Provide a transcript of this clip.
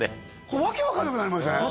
これ訳分かんなくなりません？